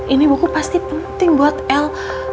ini buku pasti penting buat l